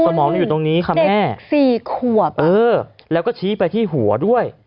สมองหนูอยู่ตรงนี้ค่ะแม่แล้วก็ชี้ไปที่หัวด้วย